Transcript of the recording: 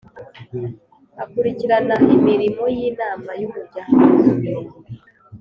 akurikirana imirimo y'inama y'umuryango